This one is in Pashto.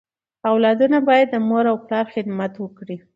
اولادونه بايد د مور او پلار خدمت وکړي.